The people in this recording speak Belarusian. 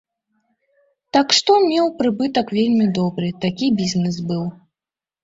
Так што меў прыбытак вельмі добры, такі бізнес быў.